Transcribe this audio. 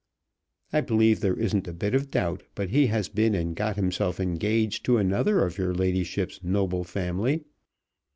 I believe there isn't a bit of doubt but he has been and got himself engaged to another of your ladyship's noble family.